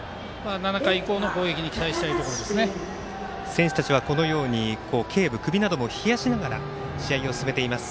７回以降の攻撃に選手たちはけい部、首なども冷やしながら試合を進めています。